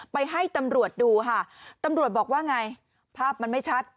ไปให้ตำรวจดูค่ะตำรวจบอกว่าไงภาพมันไม่ชัด